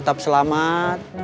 saya tetap selamat